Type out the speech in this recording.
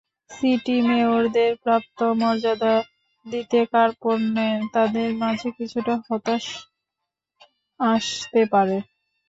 City মেয়রদের প্রাপ্য মর্যাদা দিতে কার্পণ্যে তাঁদের মাঝে কিছুটা হতাশা আতে পারে।